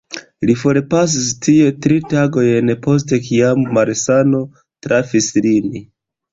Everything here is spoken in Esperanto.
Li forpasis tie, tri tagojn post kiam malsano trafis lin.